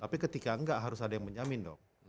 tapi ketika enggak harus ada yang menjamin dong